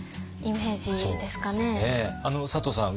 佐藤さん